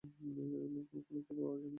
এমন কোন খুনের খবর পাওয়া যায়নি।